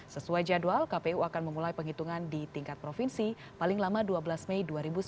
sesuai jadwal kpu akan memulai penghitungan di tingkat provinsi paling lama dua belas mei dua ribu sembilan belas